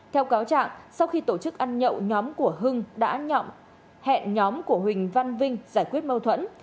theo cáo trạng sau khi tổ chức ăn nhậu nhóm của hưng đã hẹn nhóm của huỳnh văn vinh giải quyết mâu thuẫn